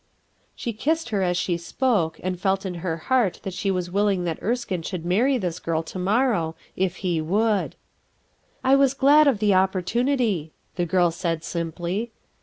She kissed her as she spoke, and felt m h er heart that she was willing that Erskine should marry this girl to morrow, if he would. "I was glad of the opportunity," the girl said simply.